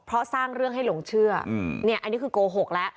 เพราะสร้างเรื่องให้หลงเชื่อเนี่ยอันนี้คือโกหกแล้ว